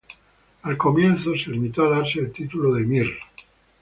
Al comienzo, se limitó a darse el título de emir.